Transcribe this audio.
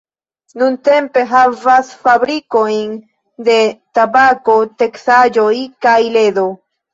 Nuntempe havas fabrikojn de tabako, teksaĵoj kaj ledo.